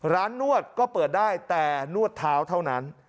นวดก็เปิดได้แต่นวดเท้าเท่านั้น